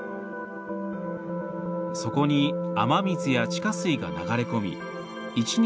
そこに雨水や地下水が流れ込み１日